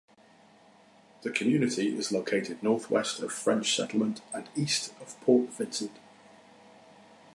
The community is located northwest of French Settlement and east of Port Vincent.